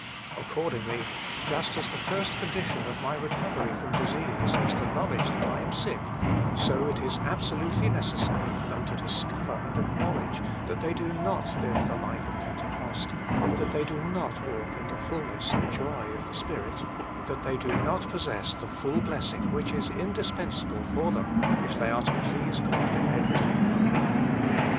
Accordingly, just as the first condition of nay recovery from disease is the knowledge that I am sick, so it is absolutely necessary for them to discover and acknowledge that they do not live the life of Pentecost, that they do not walk in the fulness and the joy of the Spirit, that they do not possess the full blessing which is indis pensable for them if they are to please God in everything.